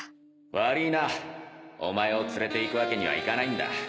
悪ぃなおまえを連れて行くわけにはいかないんだ。